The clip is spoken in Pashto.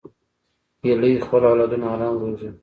هیلۍ خپل اولادونه آرام روزي